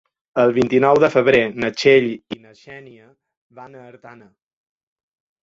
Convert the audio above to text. El vint-i-nou de febrer na Txell i na Xènia van a Artana.